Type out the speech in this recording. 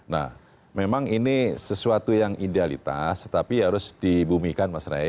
nah memang ini sesuatu yang idealitas tapi harus di bumikan mas rey